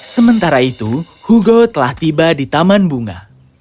sementara itu hugo telah tiba di taman bunga